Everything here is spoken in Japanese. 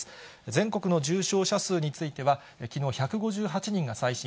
全国の重症者数については、きのう、１５８人が最新。